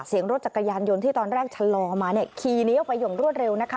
รถจักรยานยนต์ที่ตอนแรกชะลอมาเนี่ยขี่หนีออกไปอย่างรวดเร็วนะคะ